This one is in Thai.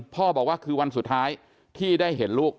บอกว่าคือวันสุดท้ายที่ได้เห็นลูก